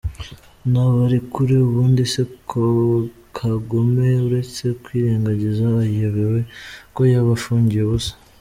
Nabarekure ubundi se Kagome uretse kwirengagiza ayobewe ko yabafungiye ubusa?